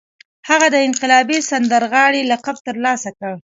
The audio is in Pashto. هغه د انقلابي سندرغاړي لقب ترلاسه کړ